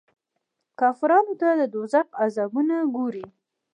کافرانو ته د دوږخ عذابونه ګوري.